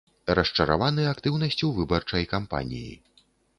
Расчараваны актыўнасцю выбарчай кампаніі.